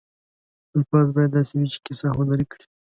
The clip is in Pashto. الفاظ باید داسې وي چې کیسه هنري کړي.